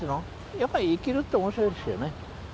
やっぱり生きるって面白いですよね。